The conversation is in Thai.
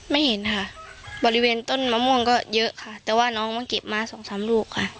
ไม่เห็นค่ะบริเวณต้นมะม่วงก็เยอะค่ะแต่ว่าน้องมันเก็บมาสองสามลูกค่ะ